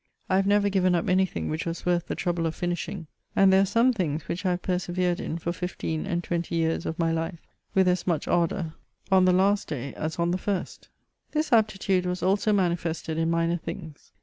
I have never given up anything which was worth the trouble of finishing, and there CHATEAUBRIAND. 1 1 I are some tiimgs which I have persevered in for fifteen and twoily years of my life, with as much ardour on the last day as the on fin|t. This aptitude was also manifested in minor things.